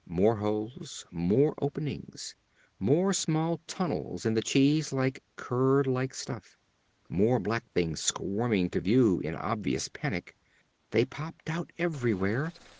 More holes. More openings. More small tunnels in the cheese like, curd like stuff. More black things squirming to view in obvious panic. They popped out everywhere.